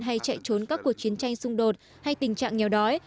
hay chạy trốn các cuộc chiến tranh xung đột hay tình trạng nghèo đói